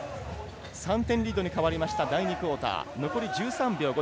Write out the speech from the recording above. ３点リードにかわりました第２クオーター。